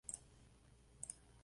Mary's Street.